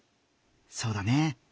そうだね。